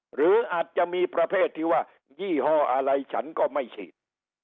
หรืออาจจะมีประเภทที่ว่ายี่ห้ออะไรฉันก็ไม่ฉีด